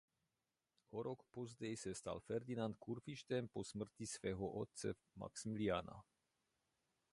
O rok později se stal Ferdinand kurfiřtem po smrti svého otce Maxmiliána.